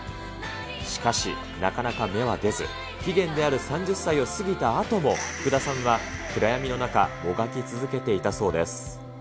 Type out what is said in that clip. しかし、なかなか芽は出ず、期限である３０歳を過ぎたあとも、福田さんは暗闇の中、もがき続けていたそうです。